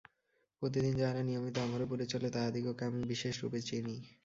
প্রতিদিন যাহারা নিয়মিত আমার উপরে চলে, তাহাদিগকে আমি বিশেষরূপে চিনি।